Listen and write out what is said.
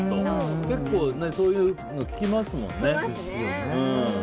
結構、そういうの聞きますもんね。